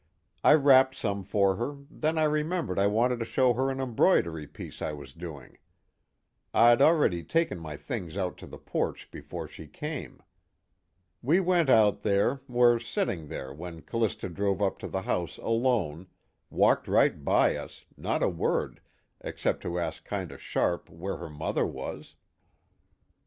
I wrapped some for her, then I remembered I wanted to show her an embroidery piece I was doing. I'd already taken my things out to the porch before she came. We went out there, were setting there when C'lista drove up to the house alone, walked right by us, not a word except to ask kind of sharp where her mother was.